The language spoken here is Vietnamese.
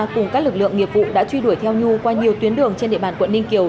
cùng các lực lượng nghiệp vụ đã truy đuổi theo nhu qua nhiều tuyến đường trên địa bàn quận ninh kiều